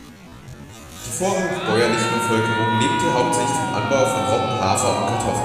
Die vorrangig bäuerliche Bevölkerung lebte hauptsächlich vom Anbau von Roggen, Hafer und Kartoffeln.